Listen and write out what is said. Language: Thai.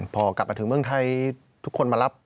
พอกลับมาถึงเมืองไทยทุกคนมารับ